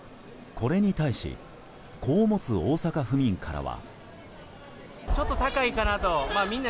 これに対し子を持つ大阪府民からは。